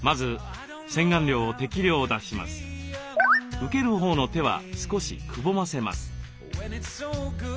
受けるほうの手は少しくぼませます。